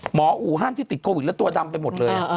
อู่ฮั่นที่ติดโควิดแล้วตัวดำไปหมดเลย